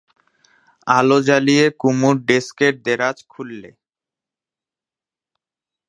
আলো জ্বালিয়ে কুমুর ডেস্কের দেরাজ খুললে।